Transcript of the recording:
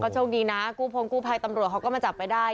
โชคดีกูพงค์กูภัยตำรวจเค้าก็มันจับไปได้